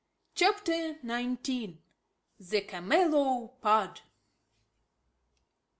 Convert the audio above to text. CHAPTER NINETEEN. THE CAMELOPARD.